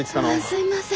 すいません！